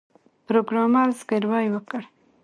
پروګرامر زګیروی وکړ